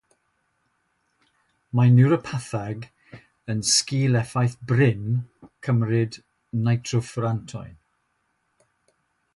Mae niwropatheg yn sgil effaith brin cymryd nitrofurantoin.